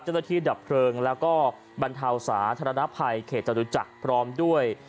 เจ้าหน้าที่ดับเพลิงแล้วก็บรรเทาสาธารณภัยเขตจัตรุจักรพร้อมด้วย